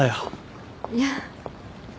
いや。